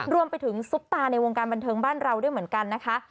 ซุปตาในวงการบันเทิงบ้านเราด้วยเหมือนกันนะคะ